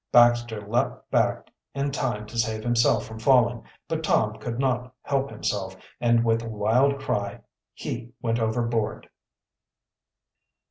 Baxter leaped back in time to save himself from falling, but Tom could not help himself, and, with a wild cry, he went overboard!